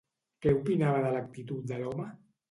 Què opinava de l'actitud de l'home?